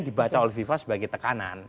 dibaca oleh fifa sebagai tekanan